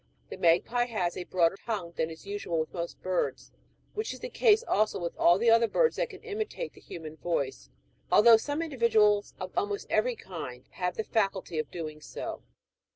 The magpie has a broader tongue than is usual with most other birds ; Avhich is the case also with all the other birds that can imitate the human voice ; although some individuals of almost every kind have the faculty of doing so.